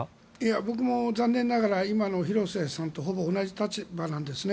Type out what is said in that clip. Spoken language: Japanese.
僕も残念ながら今の廣瀬さんとほぼ同じ立場なんですね。